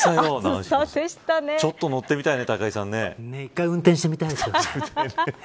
ちょっと乗ってみたいね１回運転してみたいですよね。